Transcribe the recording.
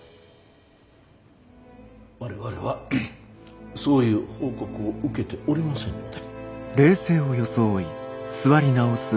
我々はそういう報告を受けておりませんので。